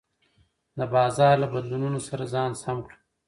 د بازار له بدلونونو سره ځان سم کړه.